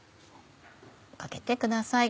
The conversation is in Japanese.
かけてください